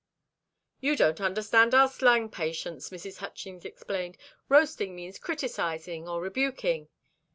"You don't understand our slang, Patience," Mrs. Hutchings explained. "Roasting means criticising or rebuking."